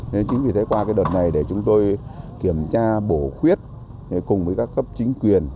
nên chính vì thế qua cái đợt này để chúng tôi kiểm tra bổ khuyết cùng với các cấp chính quyền